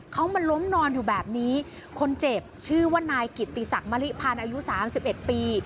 เขามาล้มนอนอยู่แบบนี้คนเจ็บชื่อว่านายกิตติศักดิ์มะลิภาณอายุ๓๑ปี